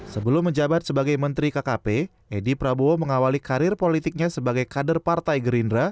sebelum menjabat sebagai menteri kkp edi prabowo mengawali karir politiknya sebagai kader partai gerindra